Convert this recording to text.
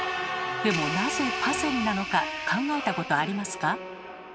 でもなぜパセリなのか考えたことありますか？